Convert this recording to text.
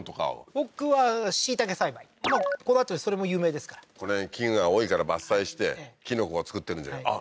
僕は椎茸栽培この辺りそれも有名ですからこの辺木々が多いから伐採してキノコを作ってるんじゃないあっ